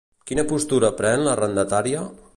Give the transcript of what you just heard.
Quina postura pren l'arrendatària?